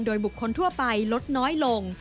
โดยบุคคลทั่วไปลดน้อยลง